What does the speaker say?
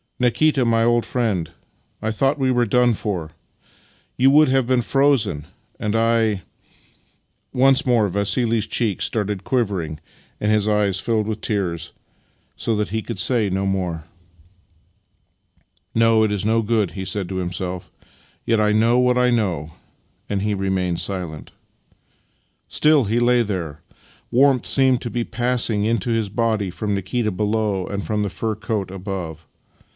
*' Nikita, my old friend, I thought we were done for. You would have been frozen, and I —" Once more Vassili's cheeks started quivering and his eyes filled with tears, so that he could say no more. Master and Man 59 " No, it is no good," he said to himself. " Yet I know what I know," and he remained silent. Still he lay there. Warmth seemed to be passing into his body from Nikita below and from the fur coat above.